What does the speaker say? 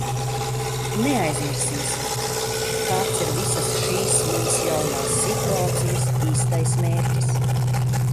Neaizmirsīsim, kāds ir visas šīs mums jaunās situācijas īstais mērķis.